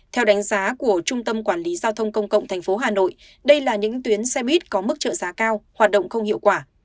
theo đánh giá của trung tâm quản lý giao thông công cộng tp hà nội đây là những tuyến xe buýt có mức trợ giá cao hoạt động không hiệu quả